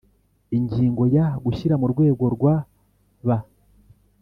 Ingingo ya gushyira mu rwego rwa ba